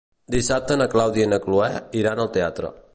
Dissabte na Clàudia i na Cloè iran al teatre.